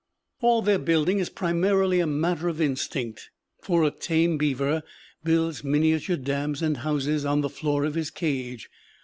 All their building is primarily a matter of instinct, for a tame beaver builds miniature dams and houses on the floor of his cage.